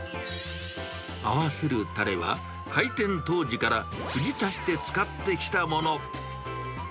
合わせるたれは、開店当時からつぎ足して使ってきたもの。